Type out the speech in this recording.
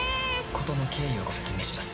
事の経緯をご説明します。